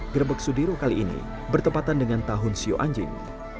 gerebek sudiro kali ini bertepatan dengan tahun siu anjing